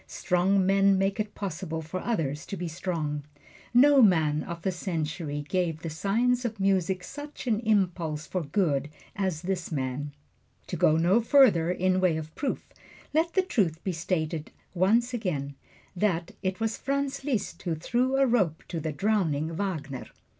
Strong men make it possible for others to be strong. No man of the century gave the science of music such an impulse for good as this man. To go no further in way of proof, let the truth be stated yet once again, that it was Franz Liszt who threw a rope to the drowning Wagner.